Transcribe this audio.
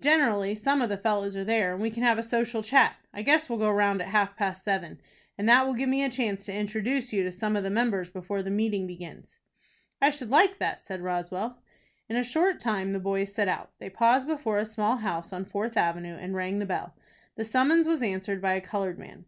Generally, some of the fellows are there, and we can have a social chat. I guess we'll go round at half past seven, and that will give me a chance to introduce you to some of the members before the meeting begins." "I should like that," said Roswell. In a short time the boys set out. They paused before a small house on Fourth Avenue, and rang the bell. The summons was answered by a colored man.